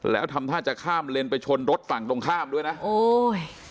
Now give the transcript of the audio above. แล้วทำท่าจะข้ามเลนไปชนรถฝั่งตรงข้ามด้วยนะโอ้ย